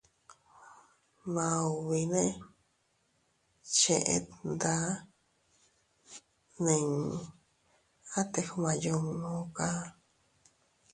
Maubi nee cheʼe tndaa nni atte gmaayunnu kaa.